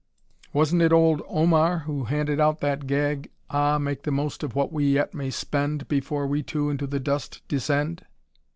Wasn't it old Omar who handed out that gag, 'Ah, make the most of what we yet may spend, before we too into the dust descend'?...